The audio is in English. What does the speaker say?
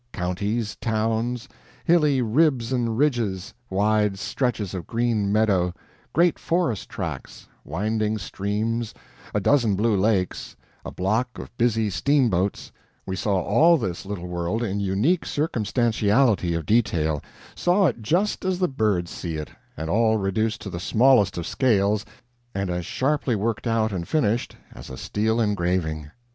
Counties, towns, hilly ribs and ridges, wide stretches of green meadow, great forest tracts, winding streams, a dozen blue lakes, a block of busy steamboats we saw all this little world in unique circumstantiality of detail saw it just as the birds see it and all reduced to the smallest of scales and as sharply worked out and finished as a steel engraving.